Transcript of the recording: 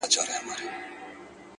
• ه په سندرو کي دي مينه را ښودلې ـ